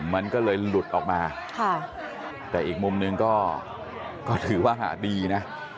มันก็เลยหลุดออกมาแต่อีกมุมหนึ่งก็ถือว่าดีนะ